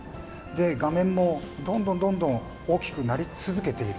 画面もどんどんどんどん大きくなり続けている。